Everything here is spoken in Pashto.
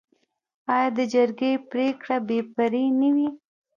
آیا د جرګې پریکړه بې پرې نه وي؟